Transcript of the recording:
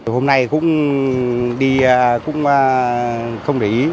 hôm nay cũng đi không để ý